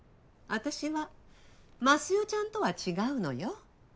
私は益代ちゃんとは違うのよ。